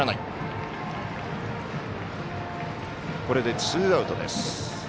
これでツーアウト。